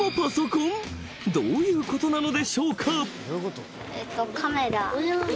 ［どういうことなのでしょうか］